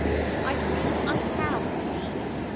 I think I have, Lizzie.